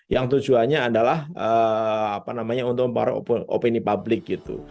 yang tujuannya adalah untuk mempengaruhi opini publik